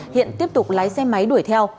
hiện tiếp tục lái xe máy đuổi theo